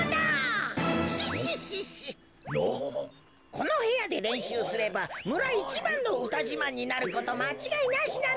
このへやでれんしゅうすればむらいちばんのうたじまんになることまちがいなしなのだ。